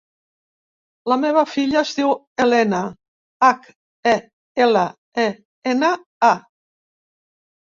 La meva filla es diu Helena: hac, e, ela, e, ena, a.